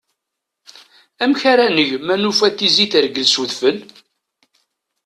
Amek ara neg ma nufa tizi tergel s udfel?